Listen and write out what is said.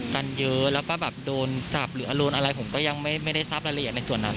กันเยอะแล้วก็แบบโดนจับหรือโดนอะไรผมก็ยังไม่ได้ทราบรายละเอียดในส่วนนั้น